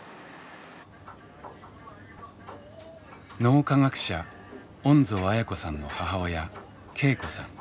脳科学者恩蔵絢子さんの母親恵子さん